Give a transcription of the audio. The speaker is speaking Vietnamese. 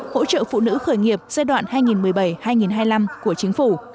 hỗ trợ phụ nữ khởi nghiệp giai đoạn hai nghìn một mươi bảy hai nghìn hai mươi năm của chính phủ